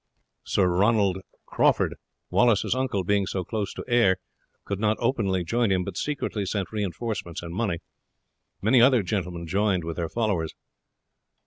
Sir Ronald Crawford, Wallace's uncle, being so close to Ayr, could not openly join him, but secretly sent reinforcements and money. Many other gentlemen joined with their followers.